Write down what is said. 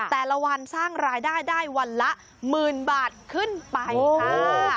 แต่ละวันสร้างรายได้ได้วันละหมื่นบาทขึ้นไปค่ะ